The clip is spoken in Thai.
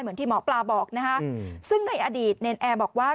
เหมือนที่หมอปลาบอกนะคะซึ่งในอดีตเนรนแอร์บอกว่า